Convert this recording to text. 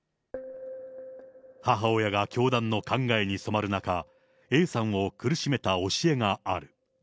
母親が教団の考えに染まる中、Ａさんを苦しめた教えがある。